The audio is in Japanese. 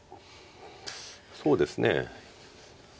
そうですね。